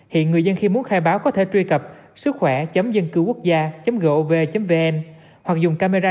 hiện người dân khi muốn khai báo có thể truy cập sưu khoẻ dâncưuquocgia gov vn hoặc dùng camera